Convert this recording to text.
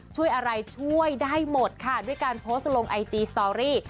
ช่วยอะไรช่วยได้หมดค่ะด้วยการโพสต์ลงไอจีสตอรี่